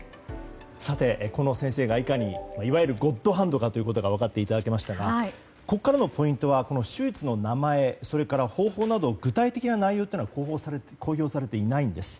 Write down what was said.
この先生がいかにゴッドハンドかということを分かっていただきましたがここからのポイントは手術の名前や方法などは具体的な内容は公表されていないんです。